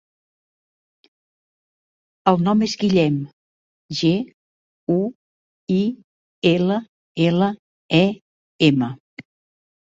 El nom és Guillem: ge, u, i, ela, ela, e, ema.